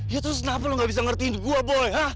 ya terus kenapa lu gak bisa ngertiin gue boy ha